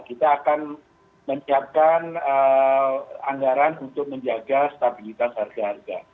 kita akan menyiapkan anggaran untuk menjaga stabilitas harga harga